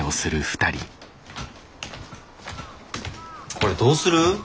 これどうする？